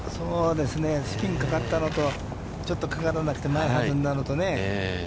スピンかかったのと、ちょっとかからなくて、前へ弾んだのとね。